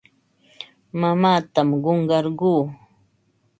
Mamaatam qunqarquu.